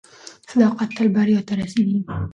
صداقت تل بریا ته رسیږي.